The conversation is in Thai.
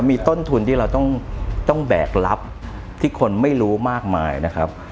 มีต้นทุนที่เราต้องแบกรับที่คนไม่รู้มากมายนะครับ